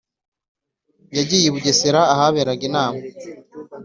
Yagiye I bugesera ahaberaga inama